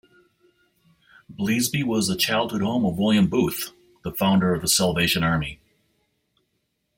Bleasby was the childhood home of William Booth, the founder of The Salvation Army.